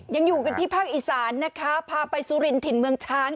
ยังอยู่กันที่ภาคอีสานนะคะพาไปสุรินถิ่นเมืองช้าง